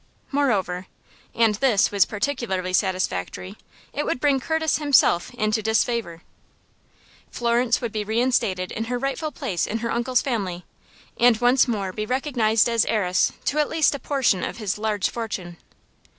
Moreover and thas was particularly satisfactory it would bring Curtis himself into disfavor. Florence would be reinstated in her rightful place in her uncle's family, and once more be recognized as heiress to at least a portion of his large fortune.